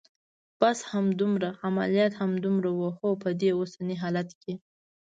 بس همدومره؟ عملیات همدومره و؟ هو، په دې اوسني حالت کې.